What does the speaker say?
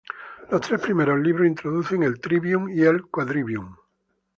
Los tres primeros libros introducen el "trivium" y el "quadrivium".